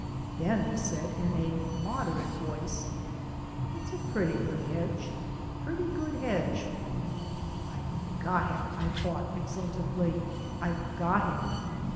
Then he said in a moderate voice: "It's a putty good hedge, a putty good hedge." "I've got him," I thought exultantly, "I've got him!"